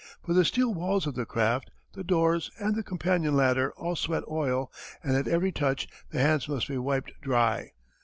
For the steel walls of his craft, the doors, and the companion ladder all sweat oil, and at every touch the hands must be wiped dry.